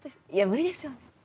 いや無理ですよね。